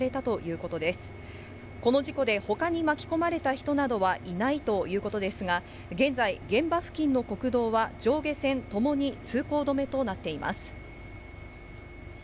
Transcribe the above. この事故で、ほかに巻き込まれた人などはいないということですが、現在、現場付近の国道は上下線ともに通行止めとなっています。